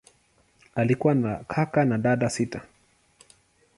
Alikuwa na kaka na dada sita.